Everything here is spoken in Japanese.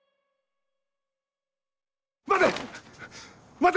待て！